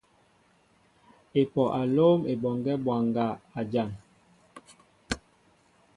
Epoh a lóm Eboŋgue bwaŋga a jan.